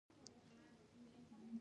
ملک مو تکړه سړی دی.